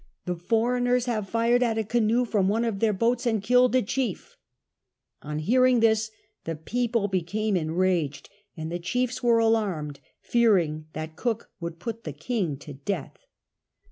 The foreigners have fired at a canoe from one of their boats and killed a chief !" On hearing this the people became enraged and the chiefs were alarmed, fearing that Cook would put. the king to death.